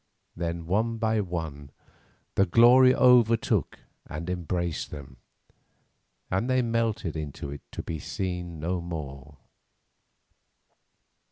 Then one by one the glory overtook and embraced them, and they melted into it to be seen no more.